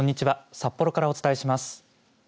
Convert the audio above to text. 札幌からお伝えします。